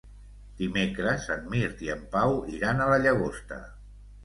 Dimecres en Mirt i en Pau iran a la Llagosta.